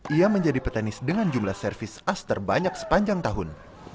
ia menjadi petenis dengan jumlah servis as terbanyak sepanjang tahun